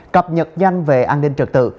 cập nhật nhanh về an ninh trật tự